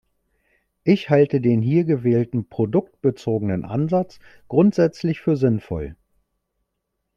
Ich halte den hier gewählten produktbezogenen Ansatz grundsätzlich für sinnvoll.